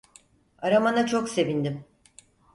Aramana çok sevindim.